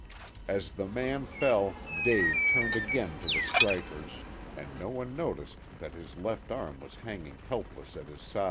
As the man fell Dave turned again to the strikers, and no one noticed that his left arm was hanging helpless at his side.